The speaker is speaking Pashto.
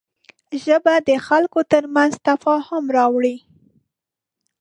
ژبه د خلکو تر منځ تفاهم راولي